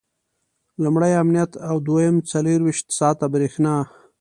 لومړی امنیت او دویم څلرویشت ساعته برېښنا.